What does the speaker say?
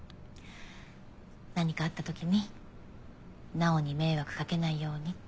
何かあった時に直央に迷惑かけないようにって。